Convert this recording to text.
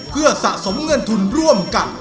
เพื่อสะสมเงินทุนร่วมกัน